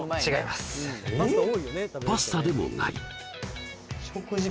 パスタでもない食事